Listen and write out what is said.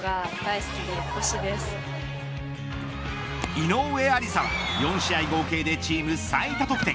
井上愛里沙は４試合合計で、チーム最多得点。